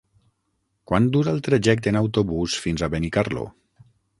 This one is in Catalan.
Quant dura el trajecte en autobús fins a Benicarló?